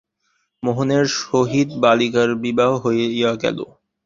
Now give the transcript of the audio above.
মোহনের সহিত বালিকার বিবাহ হইয়া গেল।